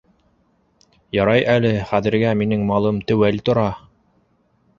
Ярай әле хәҙергә минең малым теүәл тора.